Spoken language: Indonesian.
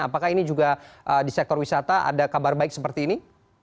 apakah ini juga di sektor wisata ada kabar baik seperti ini